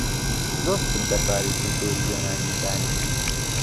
زۆر شتم دەربارەی کولتووری یۆنانی زانی.